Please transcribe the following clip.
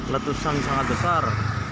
letusan sangat besar